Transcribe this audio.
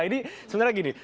nah ini sebenarnya gini